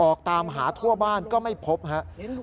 ออกตามหาทั่วบ้านก็ไม่พบครับ